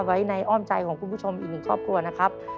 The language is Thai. ไว้ในอ้อมใจของคุณผู้ชมอีกหนึ่งครอบครัวนะครับ